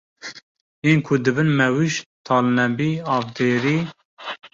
Yên ku dibin mewûj talnebî, avdêrî